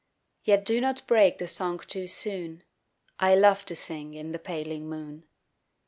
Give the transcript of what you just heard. (Yet do not break the song too soon I love to sing in the paling moon.)